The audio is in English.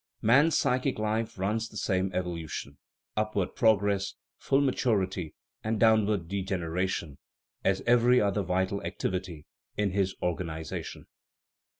Man's psychic life runs the same evolution upward progress, full maturity, and downward degeneration as every other vital activity in his organization.